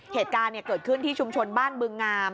เหตุการณ์เกิดขึ้นที่ชุมชนบ้านบึงงาม